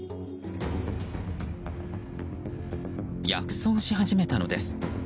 逆走し始めたのです。